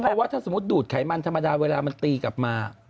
เพราะว่าถ้าสมมุติดูดไขมันธรรมดาเวลามันตีกลับมา